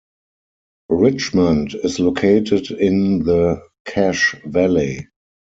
Richmond is located in the Cache Valley.